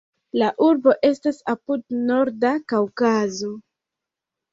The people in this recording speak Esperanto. La urbo estas apud Norda Kaŭkazo.